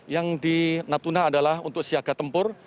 yang di natuna adalah untuk siaga tempur